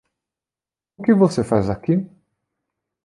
O que você faz aqui?